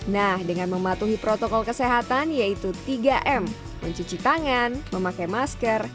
nah dengan mematuhi protokol kesehatan yaitu tiga m mencuci tangan memakai masker